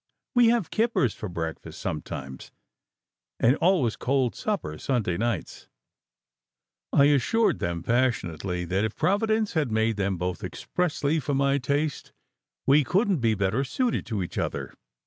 We have kippers for breakfast sometimes, and always cold supper Sunday nights." I assured them passionately that if Providence had made them both expressly for my taste, we couldn t be better suited to each other.